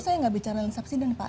saya nggak bicara subsident pak